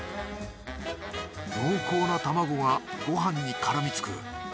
濃厚な卵がごはんに絡みつく。